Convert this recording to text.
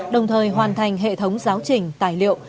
đồng thời hoàn thành hệ thống giáo trình tài liệu